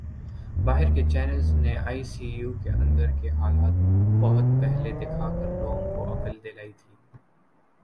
باہر کے چینلز نے آئی سی یو کے اندر کے حالات بہت پہلے دکھا کر لوگوں کو عقل دلائی تھی